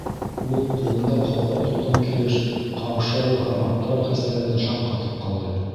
Ул, ҡулында ҡалпаҡ тотҡан килеш, ҡаушау һәм аптырау хистәрендә шаҡ ҡатып ҡалды.